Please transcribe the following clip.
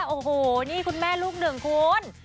โอ้โหนี่คุณแม่ลูกหนึ่งคุณ